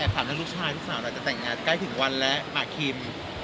แอบถามถ้าลูกชายลูกสาวเราจะแต่งงานใกล้ถึงวันแล้วมาครีม